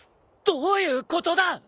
どういうことだ！